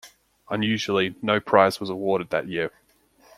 Unusually, no prize was awarded that year.